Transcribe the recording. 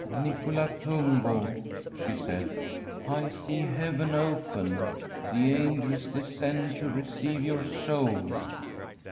* Nicola Tungo,' she said, ' I see heaven open. The angels descend to receive your soul.